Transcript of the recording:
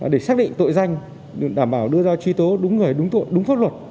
để xác định tội danh đảm bảo đưa ra truy tố đúng người đúng tội đúng pháp luật